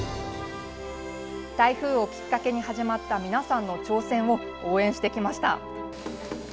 台風をきっかけに始まった皆さんの挑戦を応援してきました。